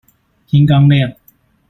天剛亮